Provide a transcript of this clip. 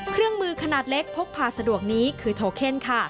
เครื่องมือขนาดเล็กพกพาสะดวกนี้คือโทเคนค่ะ